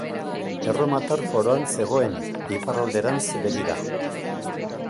Erromatar foroan zegoen, iparralderantz begira.